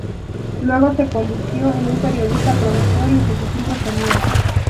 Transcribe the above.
Luego se convirtió en un periodista, productor y ejecutivo senior.